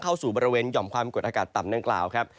เข้าสู่บริเวณหย่อมความกดอากาศต่ำดังกล่าวครับ